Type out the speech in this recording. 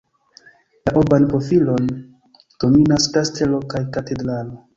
La urban profilon dominas kastelo kaj katedralo.